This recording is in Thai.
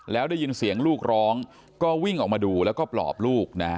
แล้วได้ยินเสียงลูกร้องก็วิ่งออกมาดูแล้วก็ปลอบลูกนะ